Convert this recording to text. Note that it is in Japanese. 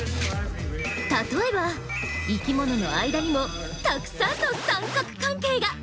例えば生きものの間にもたくさんの三角関係が！